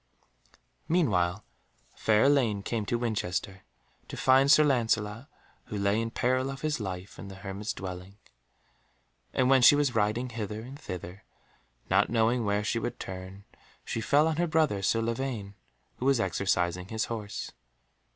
Meanwhile fair Elaine came to Winchester to find Sir Lancelot, who lay in peril of his life in the hermit's dwelling. And when she was riding hither and thither, not knowing where she should turn, she fell on her brother Sir Lavaine, who was exercising his horse.